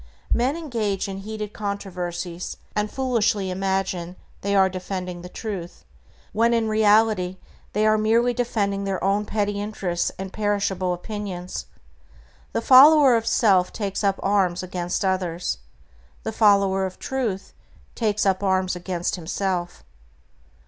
Men engage in heated controversies, and foolishly imagine they are defending the Truth, when in reality they are merely defending their own petty interests and perishable opinions. The follower of self takes up arms against others. The follower of Truth takes up arms against himself.